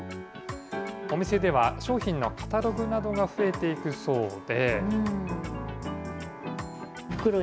お店では商品のカタログなどが増えていくそうで。